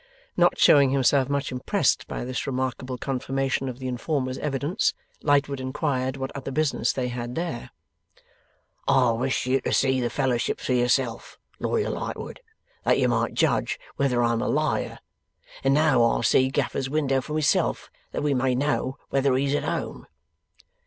Not showing himself much impressed by this remarkable confirmation of the informer's evidence, Lightwood inquired what other business they had there? 'I wished you to see the Fellowships for yourself, Lawyer Lightwood, that you might judge whether I'm a liar; and now I'll see Gaffer's window for myself, that we may know whether he's at home.